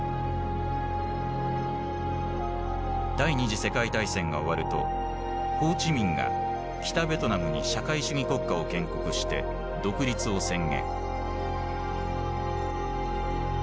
第２次世界大戦が終わるとホー・チ・ミンが北ベトナムに社会主義国家を建国して独立を宣言。